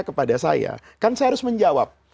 kepada saya kan saya harus menjawab